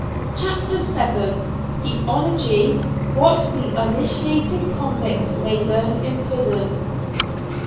CHAPTER VII. THIEFOLOGY WHAT THE UNINITIATED CONVICT MAY LEARN IN PRISON.